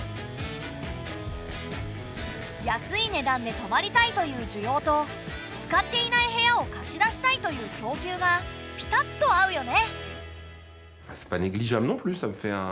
安い値段で泊まりたいという需要と使っていない部屋を貸し出したいという供給がピタッと合うよね。